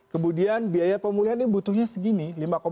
kemudian biaya pemulihan ini butuhnya segini